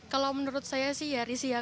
kalau menurut saya sih ya risih ya